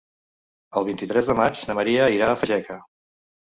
El vint-i-tres de maig na Maria irà a Fageca.